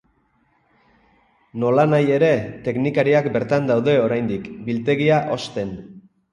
Nolanahi ere, teknikariak bertan daude oraindik, biltegia hozten.